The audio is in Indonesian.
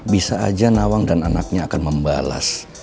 bisa aja nawang dan anaknya akan membalas